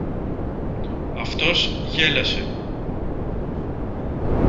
Αυτός γέλασε.